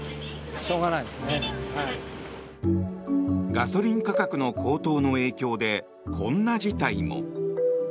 ガソリン価格の高騰の影響でこんな事態も。